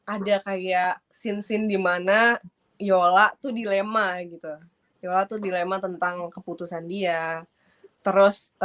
ada kayak scene scene dimana yola tuh dilema gitu yola tuh dilema tentang keputusan dia terus